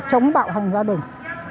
chống bạo hành gia đình